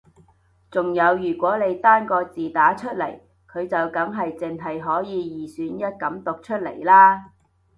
仲有如果你單個字打出嚟佢就梗係淨係可以二選一噉讀出嚟啦